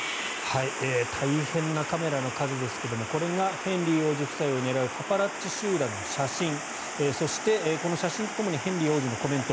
大変なカメラの数ですがこれがヘンリー王子夫妻を狙うパパラッチ集団の写真そしてこの写真とともにヘンリー王子のコメント